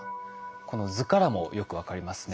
この図からもよく分かりますね。